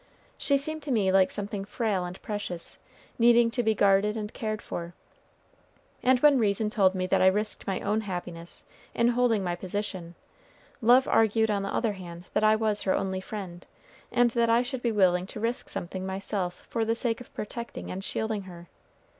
She seemed to me like something frail and precious, needing to be guarded and cared for; and when reason told me that I risked my own happiness in holding my position, love argued on the other hand that I was her only friend, and that I should be willing to risk something myself for the sake of protecting and shielding her.